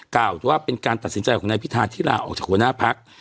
ว่าเป็นการตัดสินใจของนายพิธาที่ลาออกจากหัวหน้าพัก